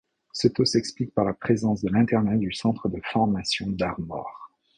Ce taux s'explique par la présence de l'internat du Centre de formation d'Armor.